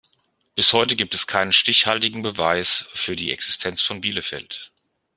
Bis heute gibt es keinen stichhaltigen Beweis für die Existenz von Bielefeld.